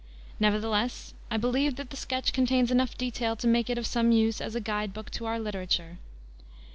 Nevertheless I believe that the sketch contains enough detail to make it of some use as a guide book to our literature.